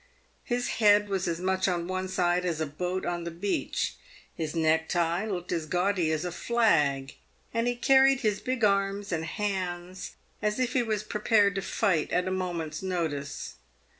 His head was as much on one side as a boat on the beach, his necktie looked as gaudy as a flag, and he carried his big arms and hands as if he was prepared to fight at a moment's notice.